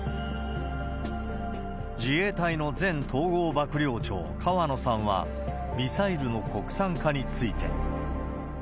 自衛隊の前統合幕僚長、河野さんは、ミサイルの国産化について。